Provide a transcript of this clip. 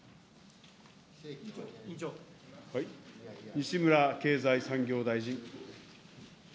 西村経済産業大臣。